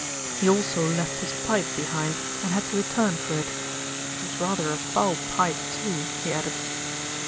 "He also left his pipe behind and had to return for it. It was rather a foul pipe, too," he added.